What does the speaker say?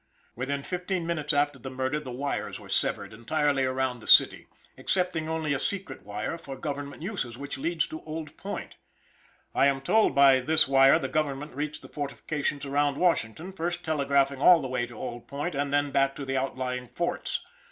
Within fifteen minutes after the murder the wires were severed entirely around the city, excepting only a secret wire for government uses, which leads to Old Point. I am told that by this wire the government reached the fortifications around Washington, first telegraphing all the way to Old Point, and then back to the outlying forts.